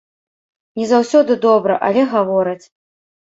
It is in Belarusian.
Не заўсёды добра, але гавораць.